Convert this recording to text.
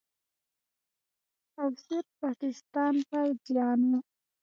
او صرف پاکستان پوځیانو